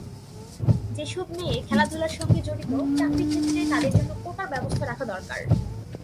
যেসব মেয়ে খেলাধুলার সঙ্গে জড়িত, চাকরিক্ষেত্রে তাঁদের জন্য কোটার ব্যবস্থা রাখা দরকার।